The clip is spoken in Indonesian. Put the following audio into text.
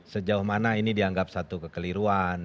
sejauh mana ini dianggap satu kekeliruan